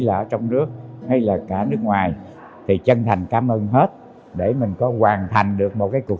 là ở trong nước hay là cả nước ngoài thì chân thành cảm ơn hết để mình có hoàn thành được một cái cuộc